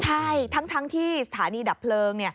ใช่ทั้งที่สถานีดับเพลิง